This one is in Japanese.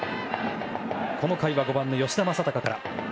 この回は５番の吉田正尚から。